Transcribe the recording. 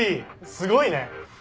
すごいね！